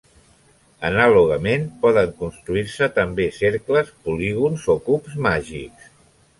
Anàlogament, poden construir-se també cercles, polígons o cubs màgics.